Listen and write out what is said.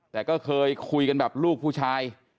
แต่ก็เคยคุยกันแบบลูกผู้ชาย